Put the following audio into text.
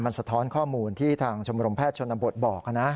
มันสะท้อนข้อมูลที่ทางชมรมแพทย์ชนบทบอกนะ